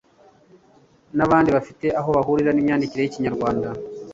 n'abandi bafite aho bahurira n'imyandikire y'Ikinyarwanda